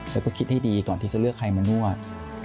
แล้วก็คิดให้ดีก่อนที่จะเลือกใครมานวด